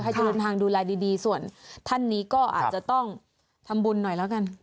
จะเดินทางดูแลดีส่วนท่านนี้ก็อาจจะต้องทำบุญหน่อยแล้วกัน